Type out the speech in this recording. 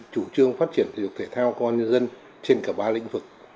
chủ trương phát triển thể dục thể thao công an nhân dân trên cả ba lĩnh vực